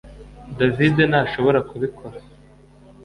David ntashobora kubikora